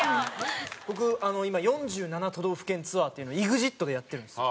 僕今４７都道府県ツアーっていうのＥＸＩＴでやってるんですよ。